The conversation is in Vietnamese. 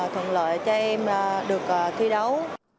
thuận lợi cho em được thi đấu